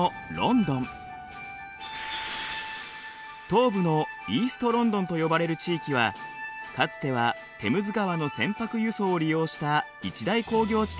東部のイーストロンドンと呼ばれる地域はかつてはテムズ川の船舶輸送を利用した一大工業地帯でした。